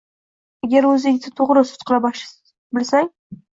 Agar o‘zingni to‘g‘ri sud qila bilsang